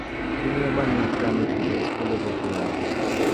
তিনি আবার নিজ গ্রামে ফিরে স্কুলে ভর্তি হন।